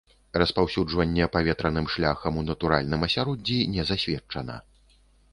Распаўсюджванне паветраным шляхам у натуральным асяроддзі не засведчана.